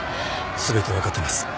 全て分かってます。